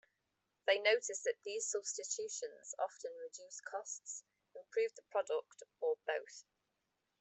They noticed that these substitutions often reduced costs, improved the product, or both.